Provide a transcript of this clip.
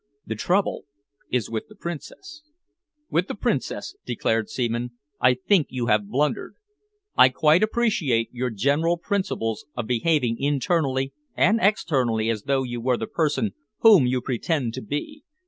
The trouble is with the Princess." "With the Princess," declared Seaman. "I think you have blundered. I quite appreciate your general principles of behaving internally and externally as though you were the person whom you pretend to be.